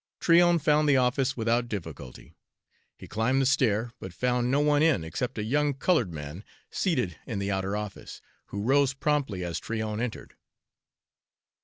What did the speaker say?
Tryon found the office without difficulty. He climbed the stair, but found no one in except a young colored man seated in the outer office, who rose promptly as Tryon entered.